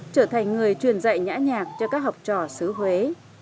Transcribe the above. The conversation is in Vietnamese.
trở thành người truyền dạy nhã nhạc cho các học trò xứ huế